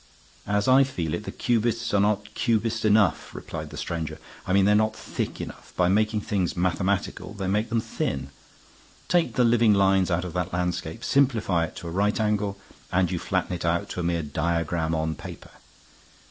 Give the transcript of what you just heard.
"As I feel it, the Cubists are not Cubist enough," replied the stranger. "I mean they're not thick enough. By making things mathematical they make them thin. Take the living lines out of that landscape, simplify it to a right angle, and you flatten it out to a mere diagram on paper.